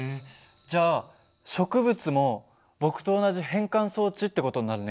じゃあ植物も僕と同じ変換装置って事になるね。